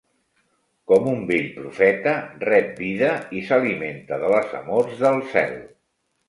Com un vell profeta, rep vida i s'alimenta de les amors del cel.